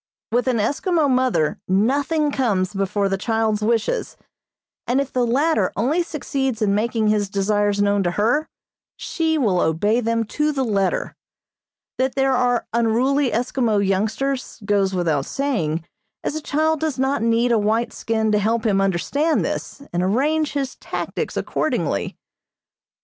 With an Eskimo mother nothing comes before the child's wishes, and if the latter only succeeds in making his desires known to her, she will obey them to the letter. That there are unruly Eskimo youngsters, goes without saying, as a child does not need a white skin to help him understand this, and arrange his tactics accordingly.